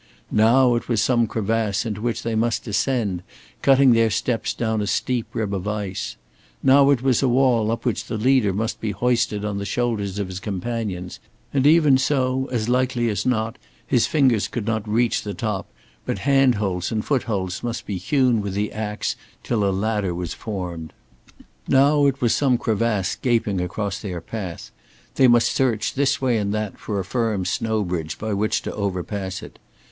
Now it was some crevasse into which they must descend, cutting their steps down a steep rib of ice; now it was a wall up which the leader must be hoisted on the shoulders of his companions, and even so as likely as not, his fingers could not reach the top, but hand holds and foot holds must be hewn with the ax till a ladder was formed. Now it was some crevasse gaping across their path; they must search this way and that for a firm snow bridge by which to overpass it.